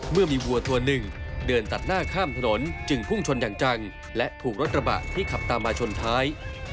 เมื่อมีวัวตัวหนึ่งเดินตัดหน้าข้ามถนนจึงพุ่งชนอย่างจังและถูกรถกระบะที่ขับตามมาชนท้าย